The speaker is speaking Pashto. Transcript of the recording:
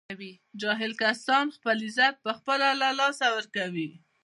جاهل کسان خپل عزت په خپله له لاسه ور کوي